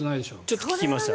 ちょっと聞きました。